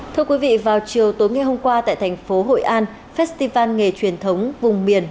thưa quý vị vào chiều tối ngày hôm qua tại thành phố hội an festival nghề truyền thống vùng miền